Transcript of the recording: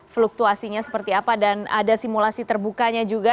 fluktuasinya seperti apa dan ada simulasi terbukanya juga